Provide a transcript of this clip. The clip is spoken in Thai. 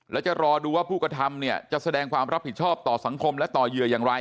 และจะรอดูว่าผู้กระทำเนี่ยจะแสดงความรับผิดชอบต่อสังคมและต่อเหยื่ออย่างไร